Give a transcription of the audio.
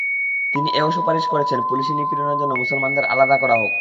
তিনি এ–ও সুপারিশ করেছেন, পুলিশি নিপীড়নের জন্য মুসলমানদের আলাদা করা হোক।